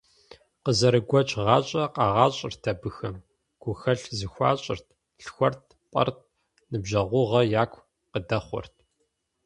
Къызэрыгуэкӏ гъащӏэ къагъэщӏырт абыхэм: гухэлъ зэхуащӏырт, лъхуэрт-пӏэрт, ныбжьэгъугъэ яку къыдэхъуэрт.